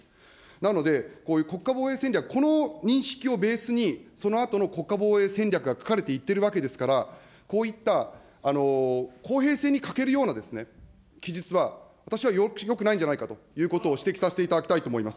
なので、こういう国家防衛戦略、この認識をベースに、そのあとの国家防衛戦略が書かれていってるわけですから、こういった公平性に欠けるようなですね、記述は私は、よくないんじゃないかと指摘させていただきたいと思います。